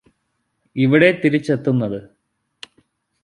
ഇവിടെ തിരിച്ചെത്തുന്നത്